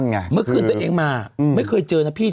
เหมือนเมื่อคุณก็ไม่เคยเจยนะพี่